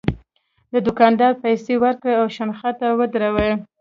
د دوکاندار پیسې ورکړي او شنخته ودروي.